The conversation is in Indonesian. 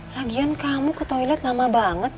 lagian kamu ke toilet lama banget